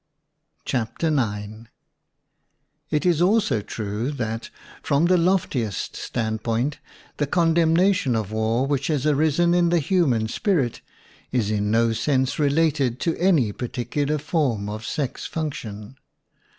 IX It is also true, that, from the loftiest standpoint, the condemnation of war which has arisen in the human spirit, is in no sense related to any particular form of sex function.